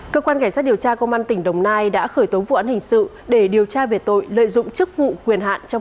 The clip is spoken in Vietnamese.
cơ quan điều tra công an tp hcm đã khởi tố vụ án hình sự để điều tra về tội lợi dụng chức vụ quyền hạn